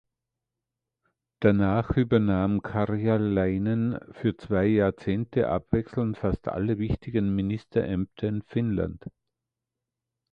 Danach übernahm Karjalainen für zwei Jahrzehnte abwechselnd fast alle wichtigen Ministerämter in Finnland.